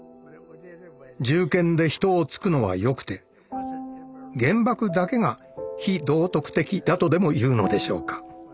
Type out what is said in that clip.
銃剣で人を突くのはよくて原爆だけが非道徳的だとでもいうのでしょうか？